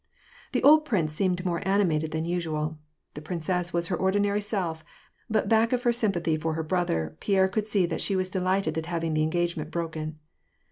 The old prince seemed more animated than usual. The princess was her ordinary self, but back of her sympathy for ner brother, Pierre could see that she was delighted at having the engagement broken.